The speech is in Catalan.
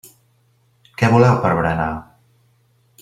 Què voleu per berenar?